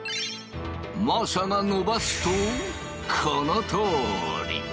政がのばすとこのとおり！